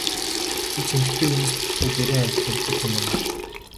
Чи ч эмэгтэй хүнээс дутахгүй гэрийн ажил мэддэг хүн юмаа.